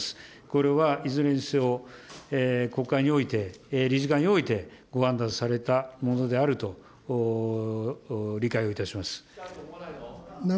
これはいずれにせよ、国会において、理事会において、ご判断されたものであると理解をいたします。